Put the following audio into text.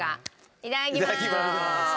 いただきまーす。